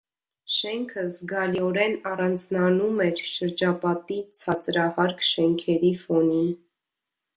Շենքը զգալիորեն առանձնանում էր շրջապատի ցածրահարկ շենքերի ֆոնին։